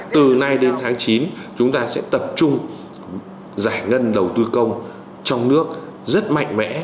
từ nay đến tháng chín chúng ta sẽ tập trung giải ngân đầu tư công trong nước rất mạnh mẽ